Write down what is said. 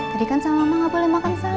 tadi kan sama mama gak boleh makan santai